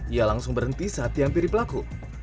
ia langsung berhenti saat diampiri pelaku